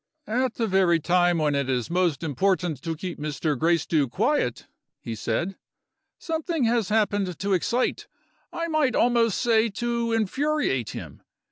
"At the very time when it is most important to keep Mr. Gracedieu quiet," he said, "something has happened to excite I might almost say to infuriate him.